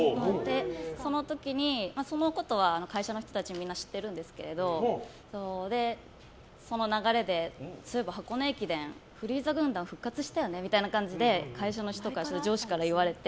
その時に、そのことは会社の人たちみんな知ってるんですけどその流れで、そういえば箱根駅伝フリーザ軍団復活したよねみたいな感じで会社の人、上司から言われて。